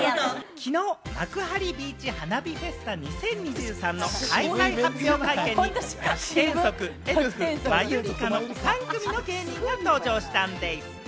昨日、幕張ビーチ花火フェスタ２０２３の開催発表会見に、ガクテンソク、エルフ、マユリカの３組の芸人が登場したんでぃす。